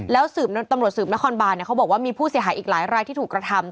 แล้วตำรวจสืบนครบานเขาบอกว่ามีผู้เสียหายอีกหลายรายที่ถูกกระทำ